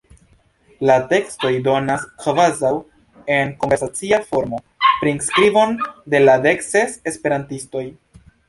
La tekstoj donas, kvazaŭ en konversacia formo, priskribon de la dek ses esperantistoj.